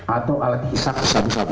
atau alat hisap sabu sabu